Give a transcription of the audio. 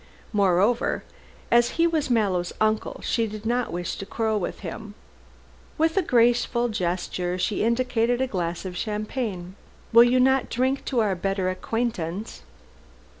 Moreover, as he was Mallow's uncle, she did not wish to quarrel with him. With a graceful gesture she indicated a glass of champagne. "Will you not drink to our better acquaintance?"